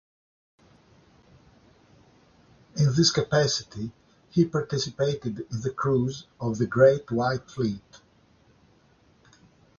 In this capacity, he participated in the cruise of the Great White Fleet.